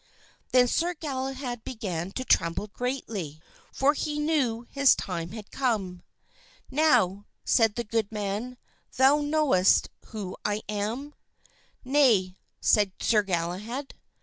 Then Sir Galahad began to tremble greatly, for he knew his time had come. "Now," said the good man, "knowest thou who I am?" "Nay," said Sir Galahad.